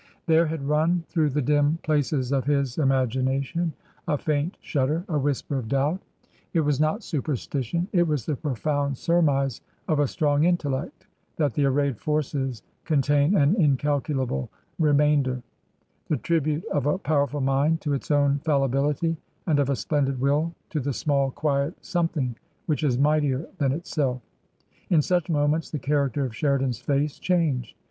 There had run through the dim places of his imagina tion a faint shudder, a whisper of doubt. It was not 292 TRANSITION. superstition, it was the profound surmise of a strong in tellect that the arrayed forces contain an incalculable remainder; the tribute of a powerful mind to its own fallibility, and of a splendid will to the small, quiet some thing which is mightier than itself. In such moments the character of Sheridan's face changed.